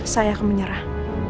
saya akan menyerah